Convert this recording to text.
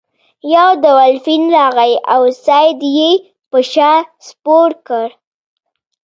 یو دولفین راغی او سید یې په شا سپور کړ.